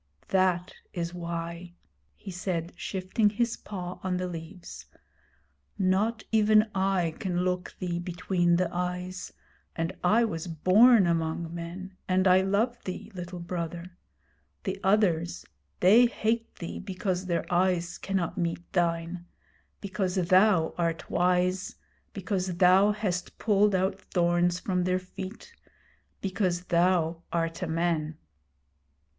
'That is why,' he said, shifting his paw on the leaves. 'Not even I can look thee between the eyes, and I was born among men, and I love thee, Little Brother. The others they hate thee because their eyes cannot meet thine; because thou art wise; because thou hast pulled out thorns from their feet because thou art a man.'